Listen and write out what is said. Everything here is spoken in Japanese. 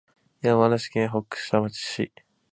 山梨県北杜市